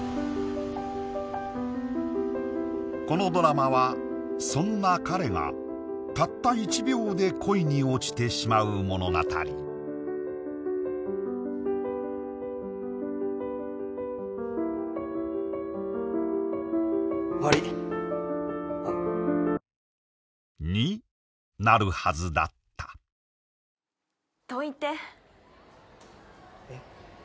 このドラマはそんな彼がたった１秒で恋に落ちてしまう物語悪いあっになるはずだったどいてえっ？